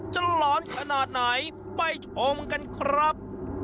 หลอนขนาดไหนไปชมกันครับ